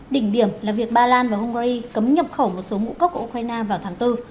đỉnh điểm là việc ba lan và hungary cấm nhập khẩu một số ngũ cốc của ukraine vào tháng bốn